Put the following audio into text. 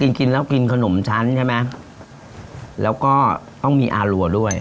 กินกินแล้วกินขนมชั้นใช่ไหมแล้วก็ต้องมีอารัวด้วย